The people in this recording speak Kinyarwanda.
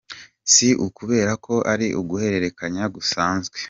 Si ukubera ko ari uguhererekanya gusanzwe.